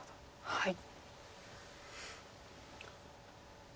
はい。